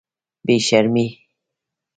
بې شرمې.